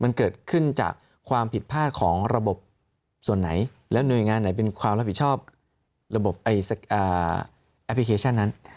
มันเกิดขึ้นจากความผิดพลาดของระบบส่วนไหนแล้วหน่วยงานไหนเป็นความรับผิดชอบระบบแอปพลิเคชันนั้น